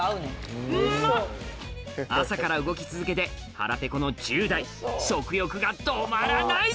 朝から動き続けて腹ペコの１０代食欲が止まらない！